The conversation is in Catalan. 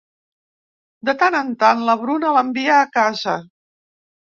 De tant en tant, la Bruna l'envia a casa.